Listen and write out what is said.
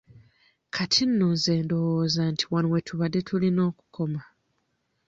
Kati nno nze ndowooza nti wano we tubadde tulina okukoma.